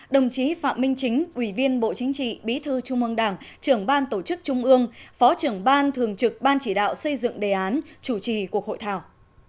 đồng chí phạm minh chính ủy viên bộ chính trị bí thư trung ương đảng trưởng ban tổ chức trung ương phó trưởng ban thường trực ban chỉ đạo xây dựng đề án chủ trì cuộc hội thảo